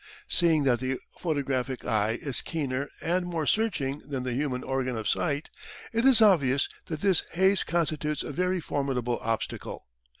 Seeing that the photographic eye is keener and more searching than the human organ of sight, it is obvious that this haze constitutes a very formidable obstacle.